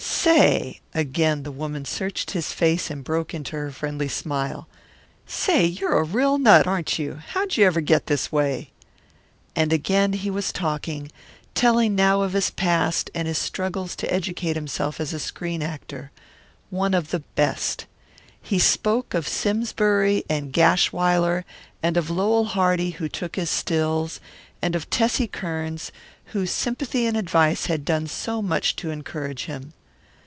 "Say!" Again the woman searched his face and broke into her friendly smile. "Say, you're a real nut, aren't you? How'd you ever get this way?" And again he was talking, telling now of his past and his struggles to educate himself as a screen actor one of the best. He spoke of Simsbury and Gashwiler and of Lowell Hardy who took his stills, and of Tessie Kearns, whose sympathy and advice had done so much to encourage him.